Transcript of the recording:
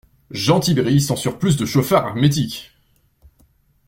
Jean Tibéri censure plus de chauffards hermétiques!